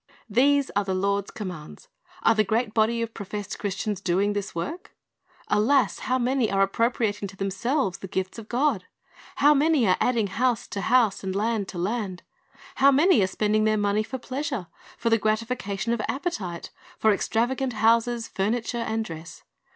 "^ These are the Lord's commands. Are the great body of professed Christians doing this work ? Alas, how many are ap propriating to themselves the gifts of God! How many are adding" house to house and land to land. How many are spending their m o n e y f o r pleasure, for the gratifica tion of ap})etite, for extravagant houses, furniture, and dress.